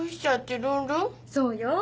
そうよ。